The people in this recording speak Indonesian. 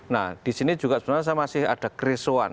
nah disini juga sebenarnya saya masih ada kerisauan